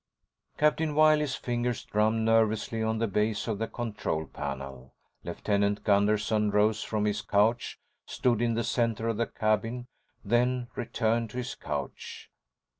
Captain Wiley's fingers drummed nervously on the base of the control panel. Lieutenant Gunderson rose from his couch, stood in the center of the cabin, then returned to his couch.